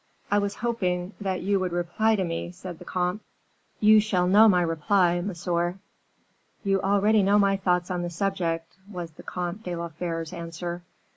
"I was hoping that you would reply to me," said the comte. "You shall know my reply, monsieur." "You already know my thoughts on the subject," was the Comte de la Fere's answer.